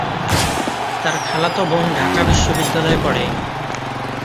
তার খালাতো বোন ঢাকা বিশ্ববিদ্যালয়ে পড়ে।